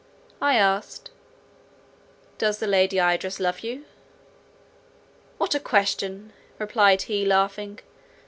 I asked, "Does Lady Idris love you?" "What a question," replied he laughing.